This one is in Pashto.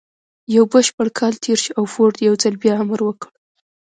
يو بشپړ کال تېر شو او فورډ يو ځل بيا امر وکړ.